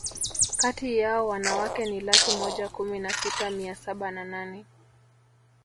kati yao wanawake ni laki moja kumi na sita mia saba na nane